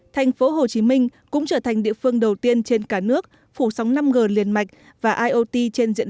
tp hcm cũng trở thành địa phương đầu tiên trên cả nước phủ sóng năm g liền mạch và iot trên diện rộng